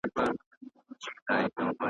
زما پر خاوره زېږېدلی بیرغ غواړم .